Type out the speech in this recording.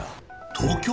東京！？